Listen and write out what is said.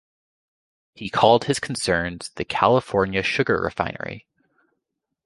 He called his concerns the "California Sugar Refinery".